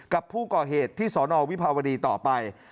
กับผู้ก่อเหตุที่สนวิภาวดีต่อไป